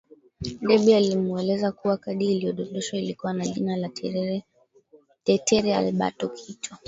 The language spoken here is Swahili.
Debby alimueleza kuwa kadi iliyodondoshwa ilikuwa na jina laTetere Alberto Kito